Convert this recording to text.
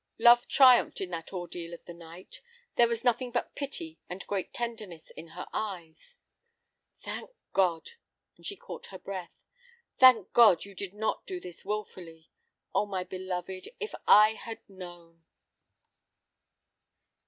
Love triumphed in that ordeal of the night. There was nothing but pity and great tenderness in her eyes. "Thank God!" and she caught her breath; "thank God, you did not do this wilfully! Oh, my beloved, if I had known!"